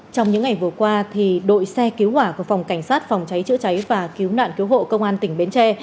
trong những ngày vừa qua đội xe cứu hỏa của phòng cảnh sát phòng cháy chữa cháy và cứu nạn cứu hộ công an tỉnh bến tre